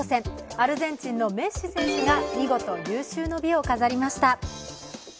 アルゼンチンのメッシ選手が見事有終の美を飾りました。